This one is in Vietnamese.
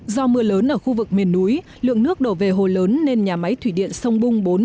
do mưa lớn ở khu vực miền núi lượng nước đổ về hồ lớn nên nhà máy thủy điện sông bung bốn